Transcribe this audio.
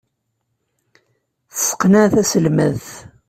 Tesseqneɛ taselmadt.